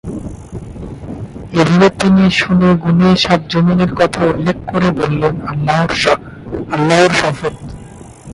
এভাবে তিনি শুনে গুনে সাত যমীনের কথা উল্লেখ করে পরে বললেনঃ আল্লাহর শপথ!